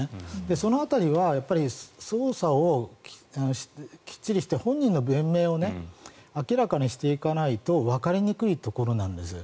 その辺りは捜査をきっちりして本人の弁明を明らかにしていかないとわかりにくいことなんです。